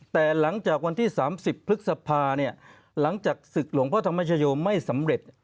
แต่หลังจากวันที่๓๐พฤษภาหลังจากศึกหลวงพระธรรมชโยไม่สำเร็จ